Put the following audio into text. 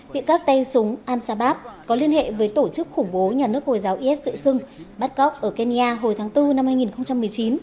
bị các tay súng al sabab có liên hệ với tổ chức khủng bố nhà nước hồi giáo is tự xưng bắt cóc ở kenya hồi tháng bốn năm hai nghìn một mươi chín